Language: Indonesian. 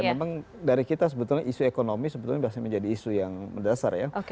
memang dari kita sebetulnya isu ekonomi sebetulnya sudah menjadi isu yang mendasar ya